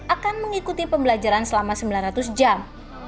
akan mengikuti pembelajaran selama sembilan ratus jam